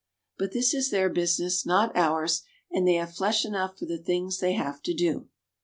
But this is their business, not ours, and they have flesh enough for the things they have to do.